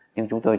nhưng chúng tôi